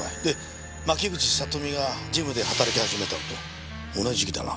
牧口里美がジムで働き始めたのと同じ時期だな。